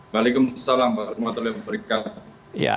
waalaikumsalam pak rukmuto